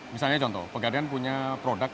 misalnya contoh pegadaian punya produk